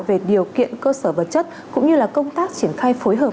về điều kiện cơ sở vật chất cũng như là công tác triển khai phối hợp